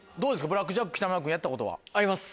ブラックジャック北村君やったことは？あります。